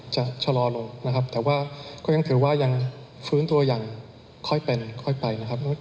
ชะลอลงนะครับแต่ว่าก็ยังถือว่ายังฟื้นตัวอย่างค่อยเป็นค่อยไปนะครับ